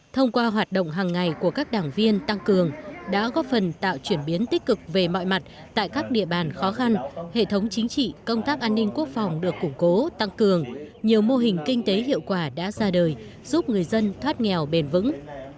thông qua hoạt động hàng ngày của các đảng viên tăng cường đã góp phần tạo chuyển biến tích cực về mọi mặt tại các địa bàn khó khăn hệ thống chính trị công tác an ninh quốc phòng được củng cố tăng cường nhiều mô hình kinh tế hiệu quả đã ra đời giúp người dân thoát nghèo bền vững